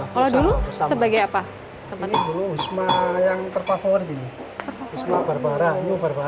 kalau ini berarti tempat apa